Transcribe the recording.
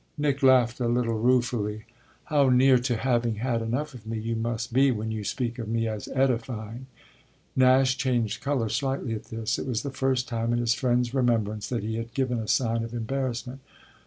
Nick laughed a little ruefully. "How near to having had enough of me you must be when you speak of me as edifying!" Nash changed colour slightly at this; it was the first time in his friend's remembrance that he had given a sign of embarrassment.